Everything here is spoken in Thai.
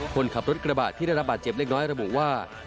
คนขับรถกระบะที่ได้รับบาดเจ็บเล็กน้อยระบุว่า